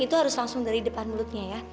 itu harus langsung dari depan mulutnya ya